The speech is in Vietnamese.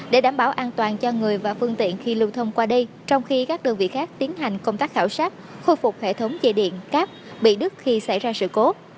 để đảm bảo an toàn cho người và phương tiện khi lưu thông qua đây trong khi các đơn vị khác tiến hành công tác khảo sát khôi phục hệ thống dây điện cáp bị đứt khi xảy ra sự cố